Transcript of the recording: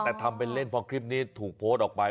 แต่ทำเป็นเล่นพอคลิปนี้ถูกโพสต์ออกไป